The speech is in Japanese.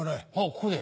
ここで？